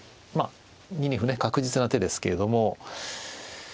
２二歩ね確実な手ですけれども。